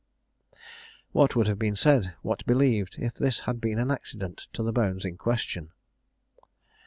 "What would have been said, what believed, if this had been an accident to the bones in question?